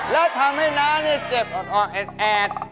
แล้วทำให้น้านี่เจ็บอ่อนแอด